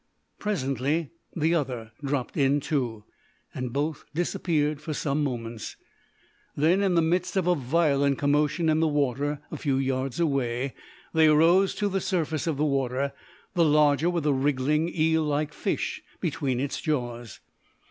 Presently the other dropped in too, and both disappeared for some moments. Then, in the midst of a violent commotion in the water a few yards away, they rose to the surface of the water, the larger with a wriggling, eel like fish between its jaws.